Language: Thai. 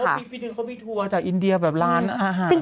ปีนึงเขามีทัวร์จากอินเดียแบบร้านอาหาร